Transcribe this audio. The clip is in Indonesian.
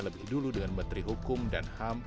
lebih dulu dengan menteri hukum dan ham